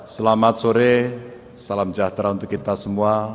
selamat sore salam sejahtera untuk kita semua